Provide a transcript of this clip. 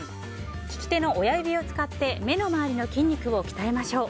利き手の親指を使って目の周りの筋肉を鍛えましょう。